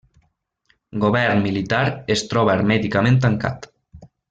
Govern militar es troba hermèticament tancat.